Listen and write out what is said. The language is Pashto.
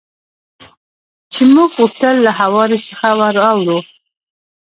چې موږ غوښتل له هوارې څخه ور اوړو.